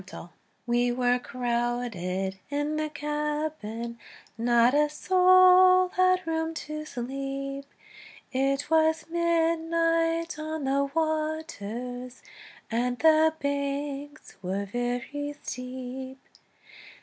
Field] WE were crowded in the cabin, Not a soul had room to sleep; It was midnight on the waters, And the banks were very steep.